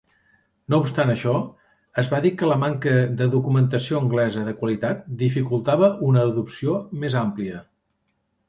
No obstant això, es va dir que la manca de documentació anglesa de qualitat dificultava una adopció més àmplia.